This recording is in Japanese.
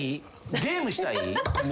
ゲームしたい？